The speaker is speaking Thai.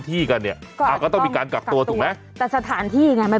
ที่กันเนี่ยก็อ่าก็ต้องมีการกักตัวถูกไหมแต่สถานที่ไงมัน